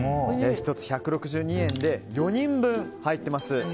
１つ１６２円で４人分入っています。